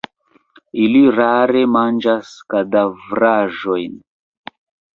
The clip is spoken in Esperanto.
Ili rare manĝas kadavraĵojn.